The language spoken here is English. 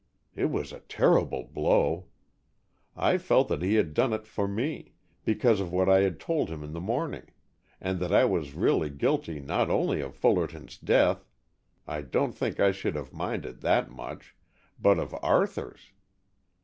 It was a terrible blow. I felt that he had done it for me because of what I had told him in the morning, and that I was really guilty not only of Fullerton's death, I don't think I should have minded that much, but of Arthur's.